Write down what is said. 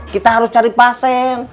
kita harus cari pasen